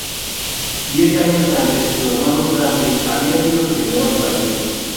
Diez años antes, su hermano Dante había sido el primero en partir.